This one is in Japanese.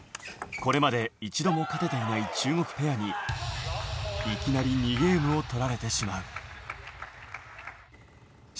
これまで一度も勝てていない中国ペアに、いきなり２ゲームを取られてしまう。